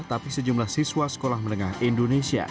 tapi sejumlah siswa sekolah menengah indonesia